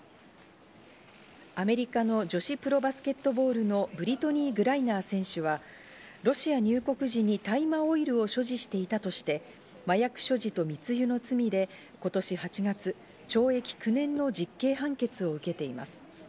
アメリカの女子プロバスケットボールのブリトニー・グライナー選手はロシア入国時に大麻オイルを所持していたとして、麻薬所持と密輸の罪で今年８月、懲役９年の実刑判決を受けています。